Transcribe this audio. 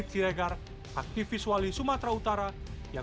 dengan satu dua triliun rupiah